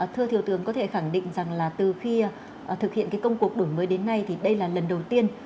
thưa thiếu tướng có thể khẳng định rằng là từ khi thực hiện cái công cuộc đổi mới đến nay thì đây là lần đầu tiên